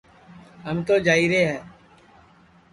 ہم تو جائیرے ہے